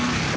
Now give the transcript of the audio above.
dan apa itu